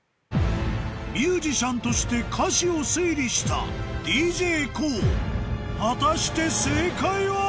ミュージシャンとして歌詞を推理したＤＪＫＯＯ果たして正解は？